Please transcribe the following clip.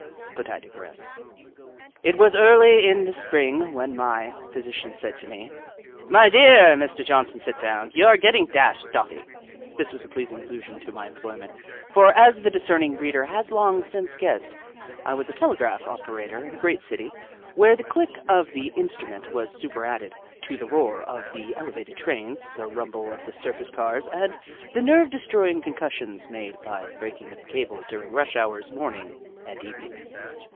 But I digress. It was early in the Spring when my physician said to me :" My dear Mr. Johnson Sitdown, you are getting dashed dotty." This was a pleasing allusion to my employment, for, as the discerning reader has long since guessed, I was a telegraph operator in a great city, where the click of the instru ment was superadded to the roar of the ele vated trains, the rumble of the surface cars, and the nerve destroying concussions made by the breaking of the cable during rush hours morning and evening.